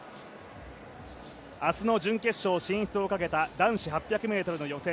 明日の準決勝進出をかけた男子８００ｍの予選